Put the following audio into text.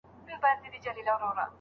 وئېل ئې دا د خپلو خواهشونو غلامان دي